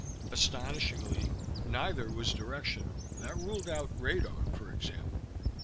Astonishingly, neither was directional: that ruled out radar, for example.